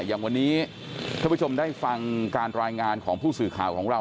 อย่างวันนี้ท่านผู้ชมได้ฟังการรายงานของผู้สื่อข่าวของเรา